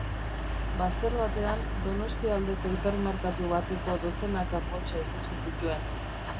Bazter batean, Donostia aldeko hipermerkatu bateko dozenaka poltsa ikusi zituen.